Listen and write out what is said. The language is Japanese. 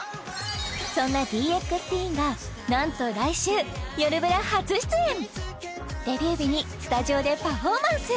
そんなＤＸＴＥＥＮがなんと来週「よるブラ」初出演デビュー日にスタジオでパフォーマンス！